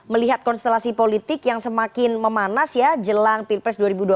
melihat konstelasi politik yang semakin memanas ya jelang pilpres dua ribu dua puluh